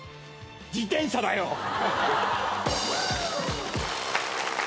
自転車だよ。